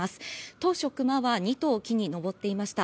当初、クマは２頭、木に登っていました。